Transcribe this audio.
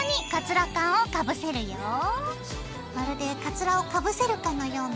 まるでカツラをかぶせるかのような。